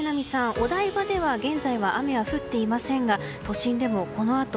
お台場では、現在は雨は降っていませんが都心でもこのあと